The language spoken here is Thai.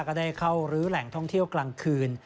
ก็ได้เข้ารื้อแหล่งท่องเที่ยวกลางคืน